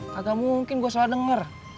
kagal mungkin gua salah denger